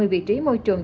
ba mươi vị trí môi trường